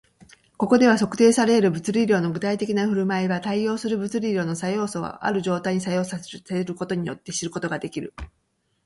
ここでは、測定され得る物理量の具体的な振る舞いは、対応する物理量の作用素をある状態に作用させることによって知ることができる